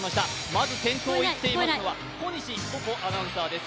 まず先頭を行っているのは、小西鼓子アナウンサーです。